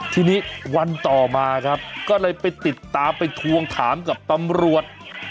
ทีนี้วันต่อมาครับก็เลยไปติดตามไปทวงถามกับตำรวจ